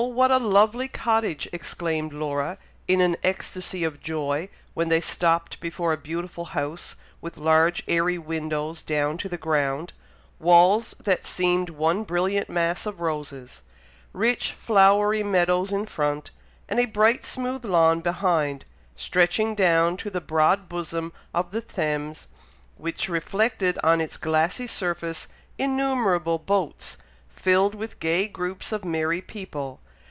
what a lovely cottage!" exclaimed Laura, in an ecstacy of joy, when they stopped before a beautiful house, with large airy windows down to the ground; walls that seemed one brilliant mass of roses; rich flowery meadows in front, and a bright smooth lawn behind, stretching down to the broad bosom of the Thames, which reflected on its glassy surface innumerable boats, filled with gay groups of merry people.